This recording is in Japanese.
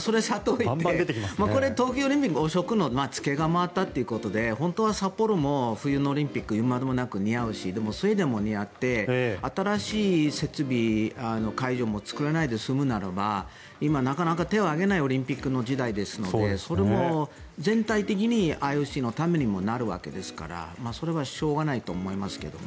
それはさておいてこれ、東京オリンピック汚職の付けが回ったということで本当は札幌も似合うしスウェーデンも似合って新しい会場設備作るなら今、なかなか手を上げないオリンピックの時代ですのでそれも全体的にＩＯＣのためにもなるわけですからそれはしょうがないと思いますけどね。